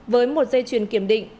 với một dây chuyển kiểm định